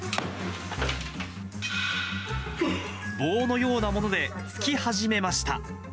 棒のようなもので突き始めました。